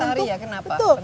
matahari ya kenapa penting